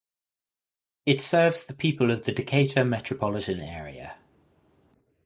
It serves the people of the Decatur metropolitan area.